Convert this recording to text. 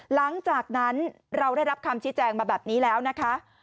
หลังจากนั้นเราได้รับคำชี้แจงมาแบบนี้แล้วนะคะ